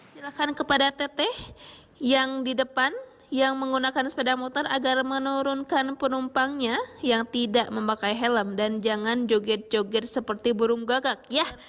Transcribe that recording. silakan kepada teteh yang di depan yang menggunakan sepeda motor agar menurunkan penumpangnya yang tidak memakai helm dan jangan joget joget seperti burung gagak ya